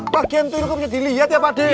bagian tuyul kok bisa diliat ya pak dio